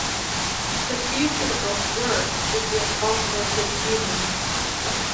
The future of work is the augmented human.